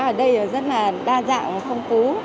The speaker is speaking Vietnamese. ở đây rất là đa dạng phong phú